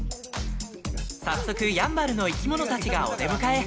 早速やんばるの生き物たちがお出迎え。